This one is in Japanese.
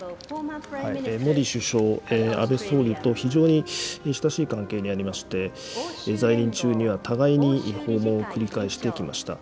モディ首相、安倍総理と非常に親しい関係にありまして、在任中には、互いに訪問を繰り返してきました。